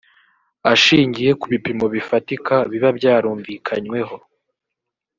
ashingiye ku bipimo bifatika biba byarumvikanyweho